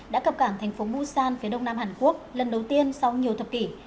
đã cập cảng thành phố busan phía đông nam hàn quốc lần đầu tiên sau nhiều thập kỷ